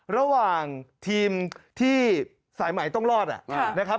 ระหว่างทีมที่สายใหม่ต้องรอดนะครับ